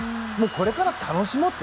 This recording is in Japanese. これから楽しもうって。